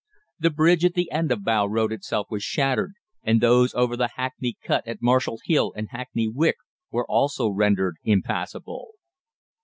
The bridge at the end of Bow Road itself was shattered, and those over the Hackney Cut at Marshall Hill and Hackney Wick were also rendered impassable.